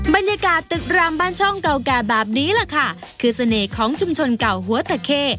บรรยากาศตึกรามบ้านช่องเก่าแก่แบบนี้แหละค่ะคือเสน่ห์ของชุมชนเก่าหัวตะเค